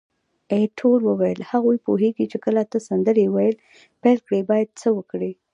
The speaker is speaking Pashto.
ایټور وویل: هغوی پوهیږي چې کله ته سندرې ویل پیل کړې باید څه وکړي.